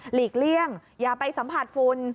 ลีกเลี่ยงอย่าไปสัมผัสฝุ่น